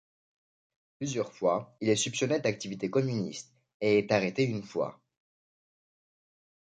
Plusieurs fois, il est soupçonné d'activités communistes et est arrêté une fois.